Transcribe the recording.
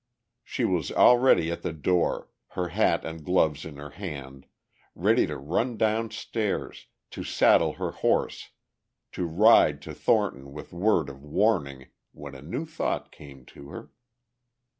She was already at the door, her hat and gloves in her hand, ready to run down stairs, to saddle her horse, to ride to Thornton with word of warning, when a new thought came to her.